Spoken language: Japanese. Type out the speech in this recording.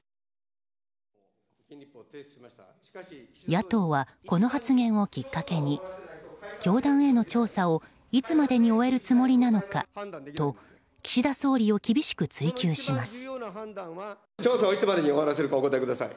野党はこの発言をきっかけに教団への調査をいつまでに終えるつもりなのかと岸田総理を厳しく追及します。